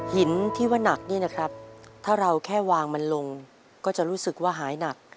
หินที่ว่านักนี่นะครับถ้าเราแค่วางมันลงก็จะรู้สึกว่าหายหนัก